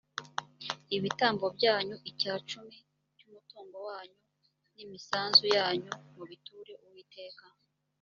ibitambo byanyu , icya cumi cy’umutungo wanyu, n’imisanzu yanyu mubiture uwiteka